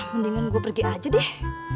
mendingan gue pergi aja deh